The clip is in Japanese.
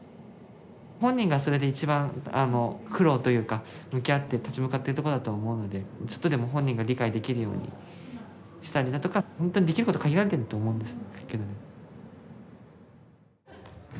本人がそれで一番苦労というか向き合って立ち向かってるとこだと思うのでちょっとでも本人が理解できるようにしたりだとかほんとにできること限られてると思うんです。